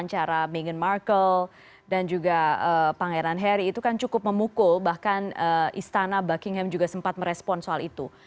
cara meghan markle dan juga pangeran harry itu kan cukup memukul bahkan istana buckingham juga sempat merespon soal itu